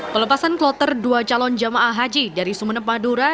pelepasan kloter dua calon jamaah haji dari sumeneb madura